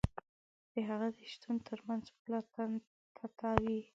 د هغه د شتون تر منځ پوله تته وي.